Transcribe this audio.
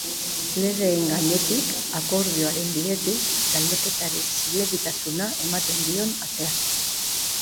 Legeen gainetik, akordioaren bidetik, galdeketari zilegitasuna ematen dion atea.